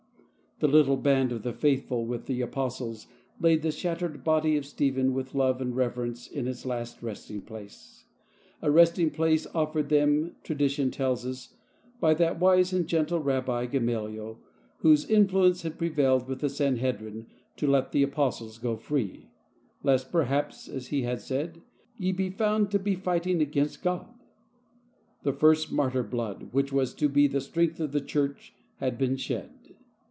^^^ The little band of the faithful, with the Apostles, laid the shattered body of Stephen with love andreverence in itslast resting place; a resting place offered them, tradition tells us, by that wise and gentle Rabbi Gamaliel, whose influence had prevailed with the Sanhedrin to let the Apostles go free, " lest perhaps," as he had said, " ye be found to be fighting against God." The first martyr blood, which was to be the strength of the Church, had been shed.